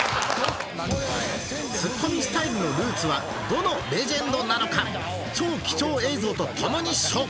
ツッコミスタイルのルーツはどのレジェンドなのか超貴重映像とともに紹介！